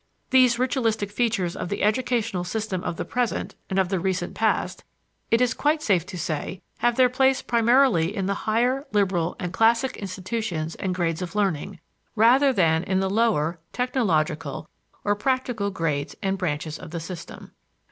These ritualistic features of the educational system of the present and of the recent past, it is quite safe to say, have their place primarily in the higher, liberal, and classic institutions and grades of learning, rather than in the lower, technological, or practical grades, and branches of the system.